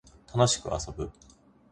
楽しく遊ぶ